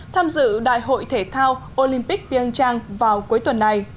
tham dự đại hội thể thao olympic pian vào cuối tuần này